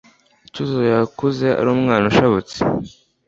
Cyuzuzo yakuze ari umwana ushabutse,